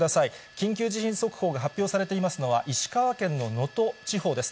緊急地震速報が発表されていますのは石川県の能登地方です。